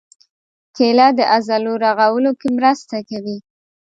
کېله د عضلو رغولو کې مرسته کوي.